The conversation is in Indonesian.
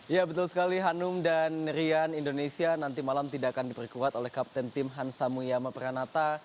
ya betul sekali hanum dan rian indonesia nanti malam tidak akan diperkuat oleh kapten tim hansa muyama pranata